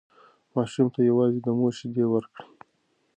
ماشوم ته یوازې د مور شیدې ورکړئ.